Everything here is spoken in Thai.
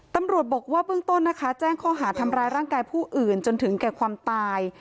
ตำรวจบอกว่าเบื้องต้นนะคะแจ้งข้อหาทำร้ายร่างกายผู้อื่นจนถึงแก่ความตาย